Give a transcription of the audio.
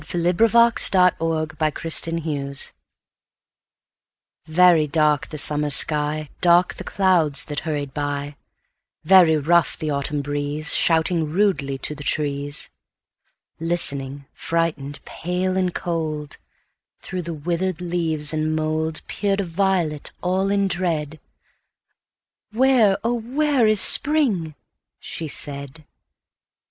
By OliverHerford 1514 A Belated Violet VERY dark the autumn sky, Dark the clouds that hurried by; Very rough the autumn breezeShouting rudely to the trees. Listening, frightened, pale, and cold, Through the withered leaves and mouldPeered a violet all in dread—"Where, oh, where is spring?" she said.